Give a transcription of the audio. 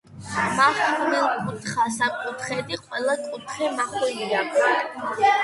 მახვილკუთხა სამკუთხედი-ყველა კუთხე მახვილია.